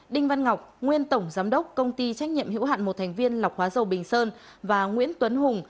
đinh văn ngọc nguyên tổng giám đốc công ty trách nhiệm hữu hạn một thành viên lọc hóa dầu bình sơn và nguyễn tuấn hùng